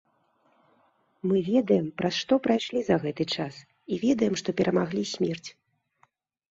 Мы ведаем, праз што прайшлі за гэты час, і ведаем, што перамаглі смерць.